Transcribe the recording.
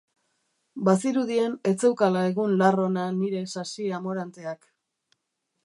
Bazirudien ez zeukala egun lar ona nire sasiamoranteak.